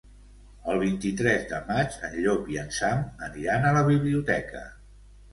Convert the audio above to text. El vint-i-tres de maig en Llop i en Sam aniran a la biblioteca.